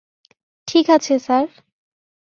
ঠিকাছে, সার।